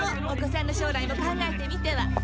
お子さんの将来も考えてみては？